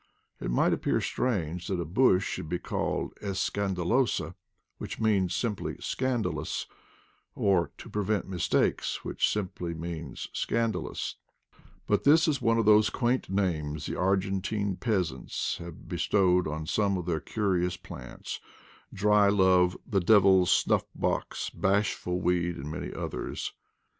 It might appear strange that a bush should be called Escandalosa, which means simply Scandalous, or, to prevent mistakes, which simply means Scandalous; but this is one of those quaint names the Argentine peasants have be stowed on some of their curious plants— dry love, the devil's snuff box, bashful weed, and many others.